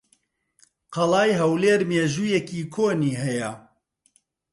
قەڵای هەولێر مێژوویەکی کۆنی ھەیە.